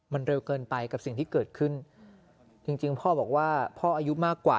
มันเร็วเกินไปกับสิ่งที่เกิดขึ้นจริงจริงพ่อบอกว่าพ่ออายุมากกว่า